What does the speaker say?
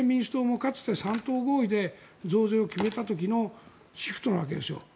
かつて３党合意で増税を決めた時のシフトなわけです。